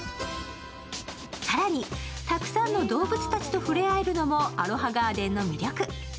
更に、たくさんの動物たちと触れ合えるのもアロハガーデンの魅力。